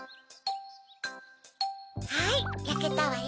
はいやけたわよ。